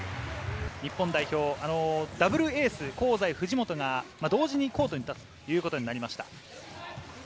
日本代表、ダブルエース、香西、藤本が同時にコートに立つということになりました。